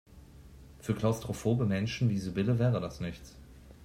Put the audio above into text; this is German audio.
Für klaustrophobe Menschen wie Sibylle wäre das nichts.